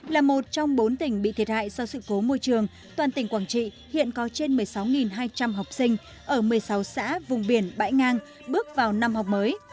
là một trong bốn tỉnh bị thiệt hại do sự cố môi trường toàn tỉnh quảng trị hiện có trên một mươi sáu hai trăm linh học sinh ở một mươi sáu xã vùng biển bãi ngang bước vào năm học mới